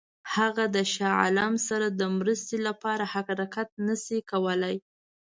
هغه د شاه عالم سره د مرستې لپاره حرکت نه شي کولای.